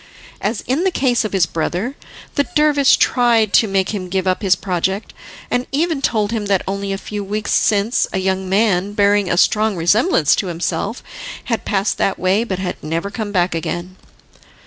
As in the case of his brother, the dervish tried to make him give up his project, and even told him that only a few weeks since a young man, bearing a strong resemblance to himself, had passed that way, but had never come back again.